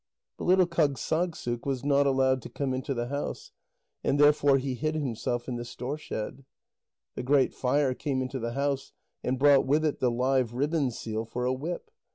But little Kâgssagssuk was not allowed to come into the house, and therefore he hid himself in the store shed. The Great Fire came into the house, and brought with it the live ribbon seal for a whip.